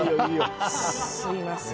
すみません。